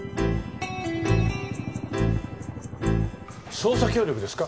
捜査協力ですか？